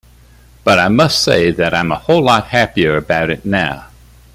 But I must say that I'm a whole lot happier about it now.